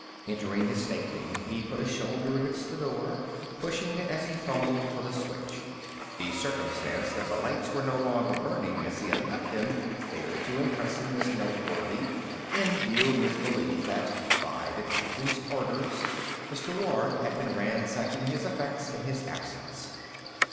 Entering his stateroom, he put a shoulder against the door, pushing it to as he fumbled for the switch. The circumstance that the lights were no longer burning as he had left them failed to impress him as noteworthy in view of his belief that, by the captain's orders, Mr. Warde had been ransacking his effects in his absence.